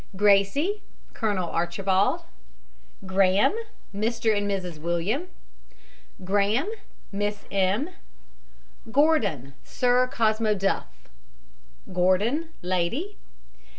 GRACIE, COLONEL ARCHIBALD. GRAHAM, MR. AND MRS. WILLIAM. GRAHAM, MISS M. GORDON, SIR COSMO DUFF. GORDON, LADY.